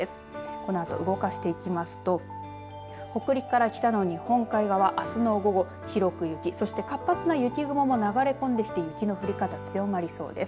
このあと動かしていきますと北陸から北の日本海側あすの午後、広く雪そして活発な雪雲も流れ込んできて雪の降り方、強まりそうです。